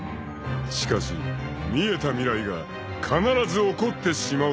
［しかし見えた未来が必ず起こってしまうとしたら？］